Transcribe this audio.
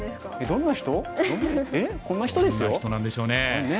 どんな人なんでしょうね。